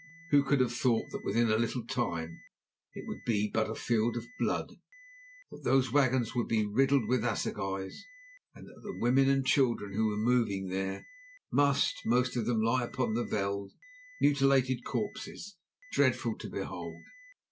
Who could have thought that within a little time it would be but a field of blood, that those wagons would be riddled with assegais, and that the women and children who were moving there must most of them lie upon the veld mutilated corpses dreadful to behold?